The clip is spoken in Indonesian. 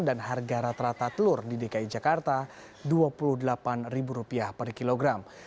dan harga rata rata telur di dki jakarta rp dua puluh delapan per kilogram